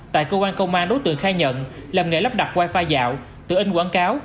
tại công an công an đối tượng khai nhận làm nghệ lắp đặt wifi dạo tự in quảng cáo